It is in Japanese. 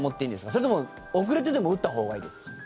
それとも、遅れてでも打ったほうがいいですか？